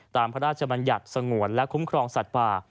พระราชบัญญัติสงวนและคุ้มครองสัตว์ป่า